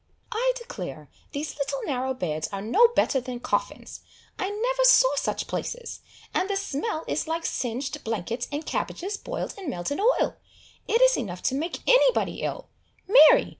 "I declare these little narrow beds are no better than coffins! I never saw such places! and the smell is like singed blankets and cabbages boiled in melted oil! It is enough to make anybody ill! Mary!